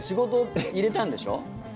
それに仕事を入れたんでしょ？